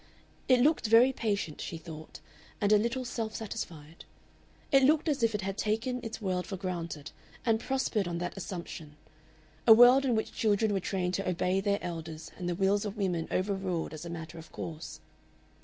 It looked very patient, she thought, and a little self satisfied. It looked as if it had taken its world for granted and prospered on that assumption a world in which children were trained to obey their elders and the wills of women over ruled as a matter of course.